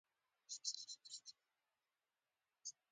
ښاریانو او دیادې سیمې فعالیت کوونکو ته